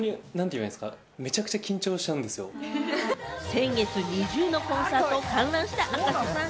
先月、ＮｉｚｉＵのコンサートを観覧した赤楚さん。